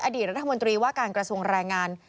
อดีตรัฐมนตรีว่าการกระทรวงแรงงาน